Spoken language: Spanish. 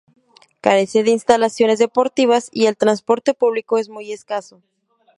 Carece de instalaciones deportivas y el transporte público es muy escaso.